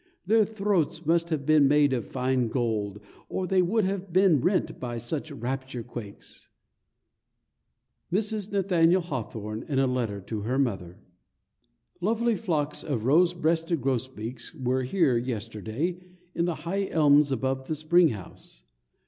Their throats must have been made of fine gold, or they would have been rent by such rapture quakes. Mrs. Nathaniel Hawthorne, in a letter to her mother. Lovely flocks of rose breasted grosbeaks were here yesterday in the high elms above the springhouse.